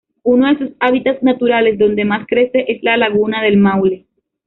Uno de sus hábitats naturales donde más crece es la laguna del Maule.